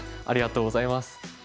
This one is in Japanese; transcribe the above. ありがとうございます。